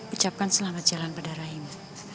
ucapkan selamat jalan pada rahim